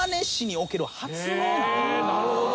なるほど。